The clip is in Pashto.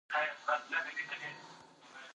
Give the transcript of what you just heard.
په اواړه کې سارمې، زمۍ او دوزان راشنه شوي دي.